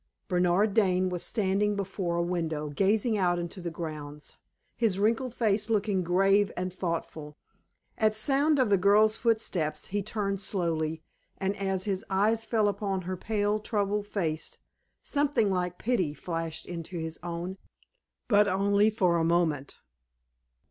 Bernard Dane was standing before a window, gazing out into the grounds, his wrinkled face looking grave and thoughtful. At sound of the girl's footsteps he turned slowly, and as his eyes fell upon her pale, troubled face, something like pity flashed into his own but only for a moment.